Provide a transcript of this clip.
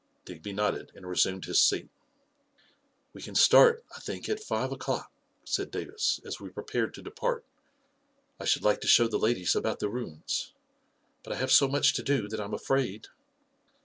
Digby nodded and resumed his seat "We can start, I think, at five o'clock," said Davis, as we prepared to depart. " I should like to show the ladies about the ruins, but I have so much to do, that I'm afraid